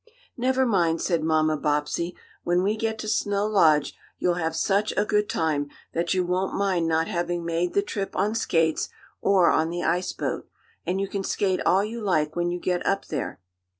"Never mind," said Mamma Bobbsey, "when we get to Snow Lodge you'll have such a good time that you won't mind not having made the trip on skates or on the ice boat. And you can skate all you like when you get up there."